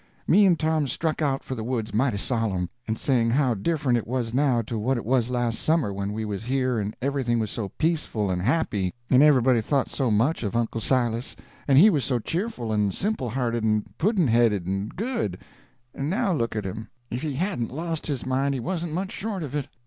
Me and Tom struck out for the woods mighty solemn, and saying how different it was now to what it was last summer when we was here and everything was so peaceful and happy and everybody thought so much of Uncle Silas, and he was so cheerful and simple hearted and pudd'n headed and good—and now look at him. If he hadn't lost his mind he wasn't much short of it.